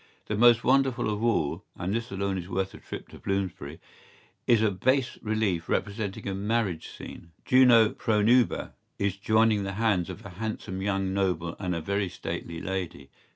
¬Ý The most wonderful of all, and this alone is worth a trip to Bloomsbury, is a bas relief representing a marriage scene, Juno Pronuba is joining the hands of a handsome young noble and a very stately lady.